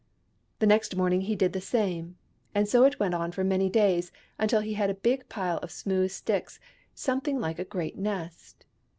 The next morning he did the same : and so it went on for many days, until he had a big pile of smooth sticks, something like a great nest.